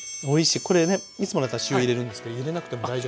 これねいつもだったら塩入れるんですけど入れなくても大丈夫。